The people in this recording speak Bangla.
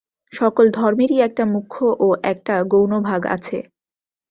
সকল ধর্মেরই একটা মুখ্য ও একটা গৌণ ভাগ আছে।